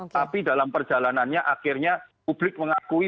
tapi dalam perjalanannya akhirnya publik mengakui